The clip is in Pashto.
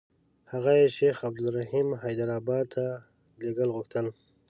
هغه یې شیخ عبدالرحیم حیدارآبادي ته لېږل غوښتل.